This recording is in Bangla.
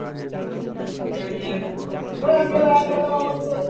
ভূমিহীন গ্যাংয়ের দৌরত্মই বা কিসের?